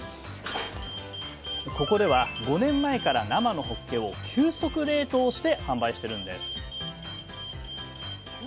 ここでは５年前から生のほっけを急速冷凍して販売してるんです